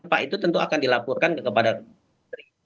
pak itu tentu akan dilaporkan kepada menteri